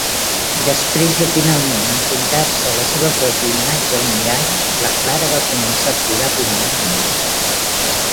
Després de finalment enfrontar-se a la seva pròpia imatge al mirall, la Clare va començar a plorar abundantment.